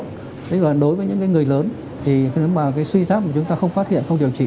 thế là đối với những cái người lớn thì nếu mà cái suy giáp mà chúng ta không phát hiện không điều trị